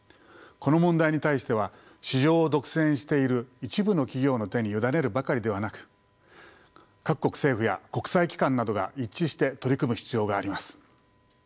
この問題に対しては市場を独占している一部の企業の手に委ねるばかりではなく各国政府や国際機関などが一致して取り組む必要があります。